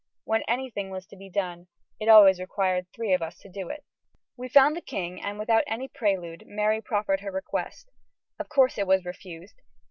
When anything was to be done, it always required three of us to do it. We found the king, and without any prelude, Mary proffered her request. Of course it was refused.